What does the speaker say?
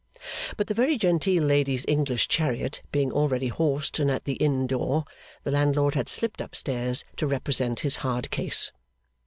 But the very genteel lady's English chariot being already horsed and at the inn door, the landlord had slipped up stairs to represent his hard case.